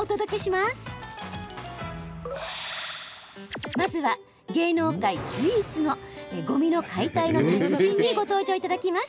まずは、芸能界随一のごみの解体の達人にご登場いただきます。